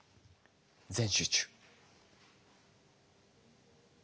全集中。